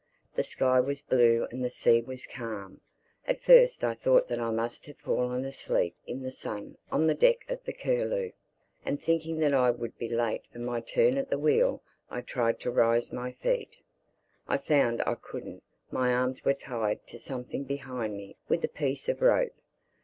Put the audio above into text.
The sky was blue and the sea was calm. At first I thought that I must have fallen asleep in the sun on the deck of the Curlew. And thinking that I would be late for my turn at the wheel, I tried to rise to my feet. I found I couldn't; my arms were tied to something behind me with a piece of rope.